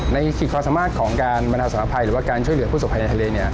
ขีดความสามารถของการบรรดาสารภัยหรือว่าการช่วยเหลือผู้สบภัยในทะเล